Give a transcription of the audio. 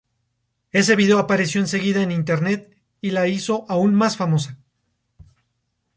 Ese vídeo apareció enseguida en Internet y la hizo aún más famosa.